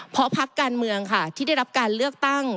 เพราะพักการเมืองค่ะที่ได้รับการเลือกตั้ง